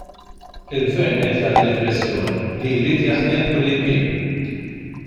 Il-Gvern qed jagħti l-impressjoni li jrid jaħkem kullimkien.